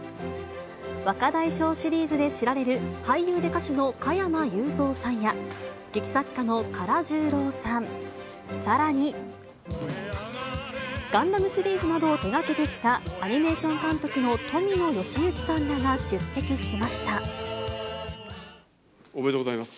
若大将シリーズで知られる、俳優で歌手の加山雄三さんや、劇作家の唐十郎さん、さらに、ガンダムシリーズなどを手がけてきたアニメーション監督の富野由おめでとうございます。